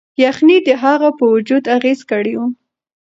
یخنۍ د هغه په وجود اغیز کړی و.